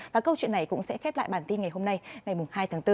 và câu chuyện này cũng sẽ khép lại bản tin ngày hôm nay ngày hai tháng bốn